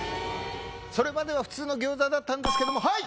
それまでは普通の餃子だったんですけども、はい。